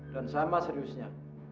dan sama seriusnya